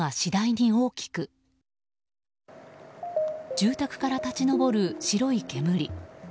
住宅から立ち上る白い煙。